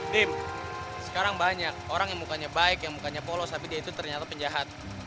dim sekarang banyak orang yang mukanya baik yang mukanya polos tapi dia itu ternyata penjahat